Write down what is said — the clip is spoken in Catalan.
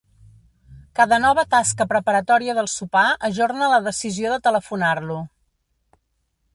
Cada nova tasca preparatòria del sopar ajorna la decisió de telefonar-lo.